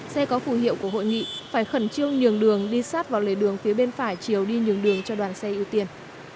xe có phù hiệu của hội nghị phải khẩn trương nhường đường đi sát vào lề đường phía bên phải chiều đi nhường đường cho đoàn xe ưu tiên